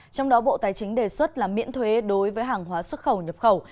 trong đó bộ tài chính đề xuất là miễn thuế đối với hàng hóa xuất khẩu nhập khẩu